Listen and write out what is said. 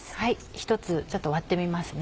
１つちょっと割ってみますね。